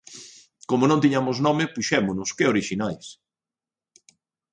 Como non tiñamos nome, puxémonos, que orixinais!